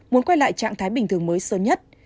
muốn quay lại trạng thái bình thường mới sớm nhất